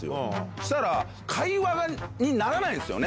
したら、会話にならないんですよね。